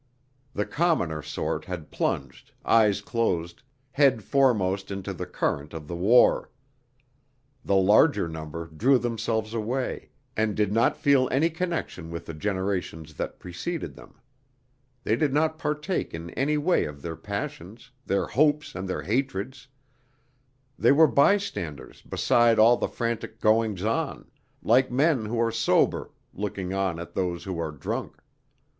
The commoner sort had plunged, eyes closed, head foremost into the current of the war. The larger number drew themselves away and did not feel any connection with the generations that preceded them; they did not partake in any way of their passions, their hopes and their hatreds; they were bystanders beside all the frantic goings on like men who are sober looking on at those who are drunk.